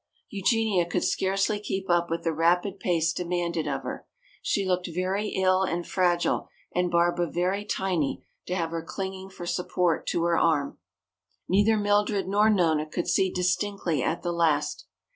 Eugenia could scarcely keep up with the rapid pace demanded of her. She looked very ill and fragile and Barbara very tiny to have her clinging for support to her arm. Neither Mildred nor Nona could see distinctly at the last.